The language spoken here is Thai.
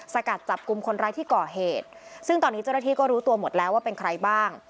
กัดจับกลุ่มคนร้ายที่ก่อเหตุซึ่งตอนนี้เจ้าหน้าที่ก็รู้ตัวหมดแล้วว่าเป็นใครบ้าง